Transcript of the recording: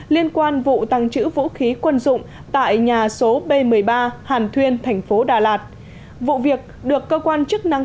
liên quan vụ tăng trữ vũ khí quân dụng tại nhà số b một mươi ba hàn thuyên tp đà lạt vụ việc được cơ quan chức năng